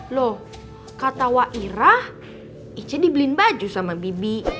loh kata wairah ice dibeli baju sama bibi